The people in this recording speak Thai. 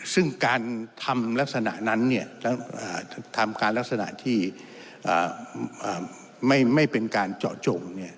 ซึ่งการทำลักษณะนั้นทำการลักษณะที่ไม่เป็นการเจาะจง